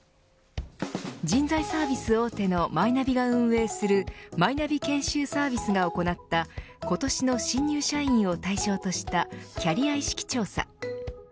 人材サービス大手のマイナビが運営するマイナビ研修サービスが行った今年の新入社員を対象としたキャリア意識調査。